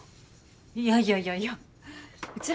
いやいやいやいやうちら